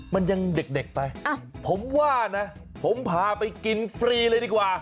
มันยังเด็กไปผมว่านะผมพาไปกินฟรีเลยดีกว่า